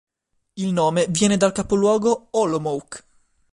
Il nome viene dal capoluogo Olomouc.